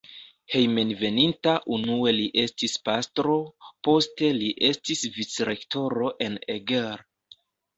Hejmenveninta unue li estis pastro, poste li estis vicrektoro en Eger.